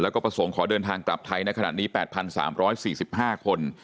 แล้วก็ประสงค์ขอเดินทางกลับไทยในขณะนี้๘๓๔๕คน